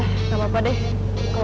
kalau lo mau hantarin gue ke sekolah